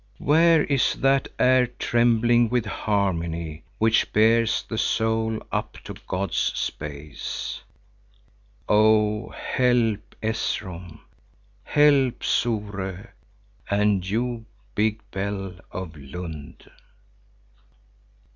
Where is that air trembling with harmony, which bears the soul up to God's space? Oh help Esrom, help Soró, and you big bells of Lund!